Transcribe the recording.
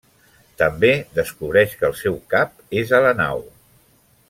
També descobreix que el seu cap és a la nau.